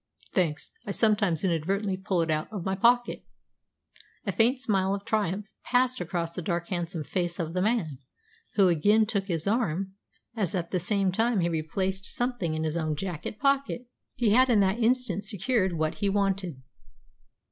"Thanks. I sometimes inadvertently pull it out of my pocket." A faint smile of triumph passed across the dark, handsome face of the man, who again took his arm, as at the same time he replaced something in his own jacket pocket. He had in that instant secured what he wanted.